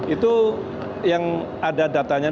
itu yang ada datanya